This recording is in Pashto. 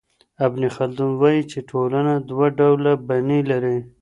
ابن خلدون وايي چي ټولنه دوه ډوله بڼې لري.